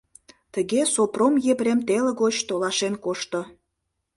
Тыге Сопром Епрем теле гоч толашен кошто.